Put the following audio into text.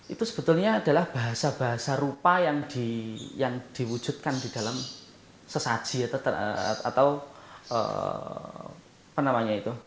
itu sebetulnya adalah bahasa bahasa rupa yang diwujudkan di dalam sesaji atau apa namanya itu